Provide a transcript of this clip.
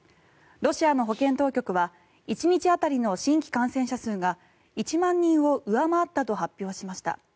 ロシアの保健当局は１日当たりの新規感染者数が１万人を上回ったと発表しました。